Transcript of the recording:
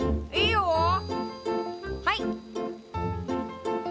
はい。